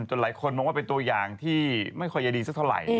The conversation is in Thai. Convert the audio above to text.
หลายคนมองว่าเป็นตัวอย่างที่ไม่ค่อยจะดีสักเท่าไหร่